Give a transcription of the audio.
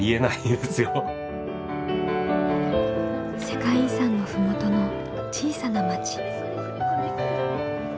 世界遺産の麓の小さな町。